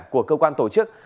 của cơ quan tổ chức